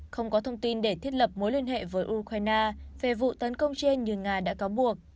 không có thông tin để thiết lập mối liên hệ với ukraine về vụ tấn công trên như nga đã cáo buộc